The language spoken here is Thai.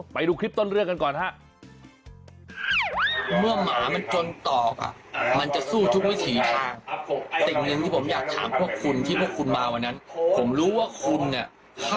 ไปดูคลิปต้นเรื่องกันก่อนครับ